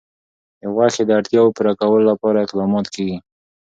د غوښې د اړتیاوو پوره کولو لپاره اقدامات کېږي.